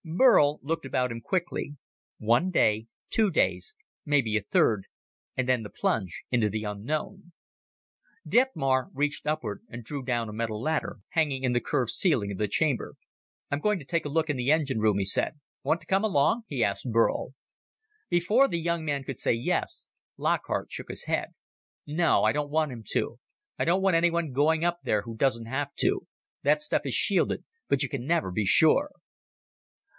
Burl looked about him quickly. One day, two days, maybe a third and then, the plunge into the unknown. Detmar reached upward and drew down a metal ladder hanging in the curved ceiling of the chamber. "I'm going to take a look in the engine room," he said. "Want to come along?" he asked Burl. Before the young man could say yes, Lockhart shook his head. "No, I don't want him to. I don't want anyone going up there who doesn't have to. That stuff is shielded, but you can never be sure."